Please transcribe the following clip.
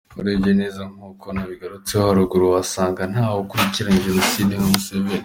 Urebye neza nk’uko nabigarutseho haruguru, wasanga nta wakurikiranye Jenoside nka Museveni.”